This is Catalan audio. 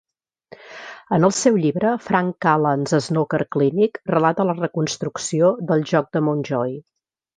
En el seu llibre "Frank Callan's Snooker Clinic" relata la reconstrucció del joc de Mountjoy.